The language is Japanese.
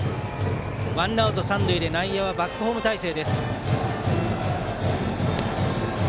ワンアウト三塁で内野はバックホーム態勢。